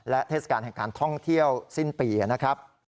และเทศกาลแห่งการท่องเที่ยวสิ้นปีนะครับ